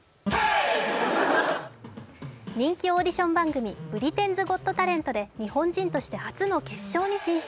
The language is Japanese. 人気オーディション番組「ブリテンズ・ゴット・タレント」で日本人として初の決勝に進出。